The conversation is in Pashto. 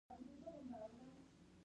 د راتلونکي لپاره نن اړین ده